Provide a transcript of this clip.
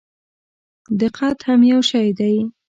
دقت هم یو شی دی.